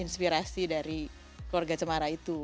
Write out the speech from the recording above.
inspirasi dari keluarga cemara itu